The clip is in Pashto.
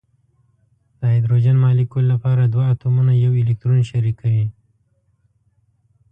د هایدروجن مالیکول لپاره دوه اتومونه یو الکترون شریکوي.